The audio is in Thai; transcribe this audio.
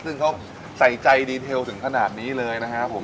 ซึ่งเขาใส่ใจดีเทลถึงขนาดนี้เลยนะครับผม